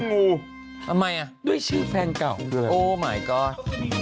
ทำไมล่ะด้วยชื่อแฟนเก่าโอ้มายกอร์ด